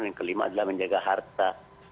yang kelima adalah menjaga harta